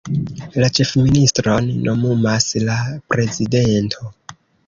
La ĉefministron nomumas la prezidento.